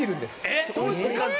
えっ！